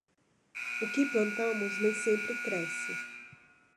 O que plantamos nem sempre cresce.